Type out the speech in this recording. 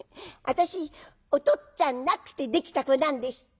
私おとっつぁんなくてできた子なんです」。